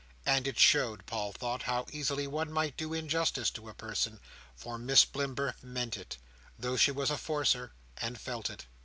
And it showed, Paul thought, how easily one might do injustice to a person; for Miss Blimber meant it—though she was a Forcer—and felt it.